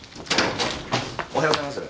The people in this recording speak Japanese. おはようございます。